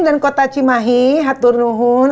dan kota cimahi haturnuhun